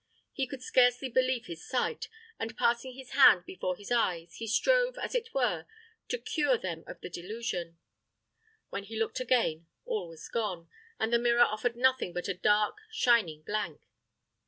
He could scarcely believe his sight, and passing his hand before his eyes, he strove, as it were, to cure them of the delusion. When he looked again, all was gone, and the mirror offered nothing but a dark shining blank.